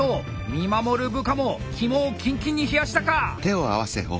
見守る部下も肝をキンキンに冷やしたか！